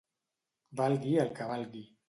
Valgui el que valgui.